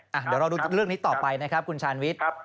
เดี๋ยวเราดูเรื่องนี้ต่อไปนะครับคุณชาญวิทย์